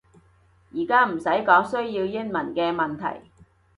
而家唔使講需要英文嘅問題